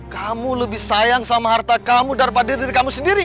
kamu lebih sayang sama harta kamu daripada diri kamu sendiri